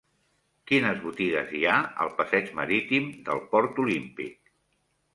Quines botigues hi ha al passeig Marítim del Port Olímpic?